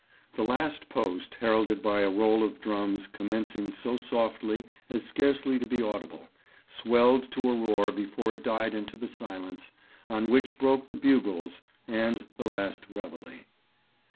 The 'Last Post,' heralded by a roll of drums, commencing so softly as scarcely to be audible, swelled to a roar before it died into the silence, on which broke the bugles; and last the 'Réveillé.'